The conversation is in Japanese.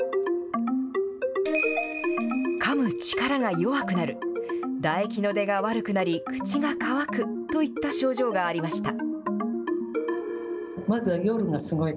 かむ力が弱くなる、唾液の出が悪くなり、口が乾くといった症状がありました。